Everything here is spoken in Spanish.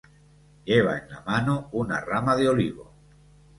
Lleva en la mano una rama de olivo.